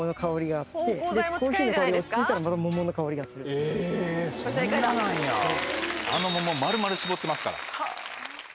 あの桃丸々搾ってますから。